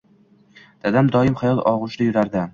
Dadam doim xayol og‘ushida yurardi.